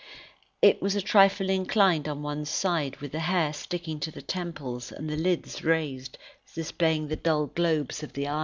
It was a trifle inclined on one side, with the hair sticking to the temples, and the lids raised, displaying the dull globes of the eyes.